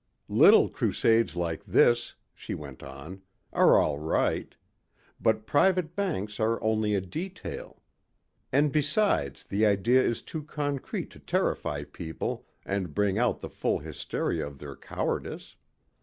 "Little crusades like this," she went on, "are all right. But private banks are only a detail. And besides the idea is too concrete to terrify people and bring out the full hysteria of their cowardice.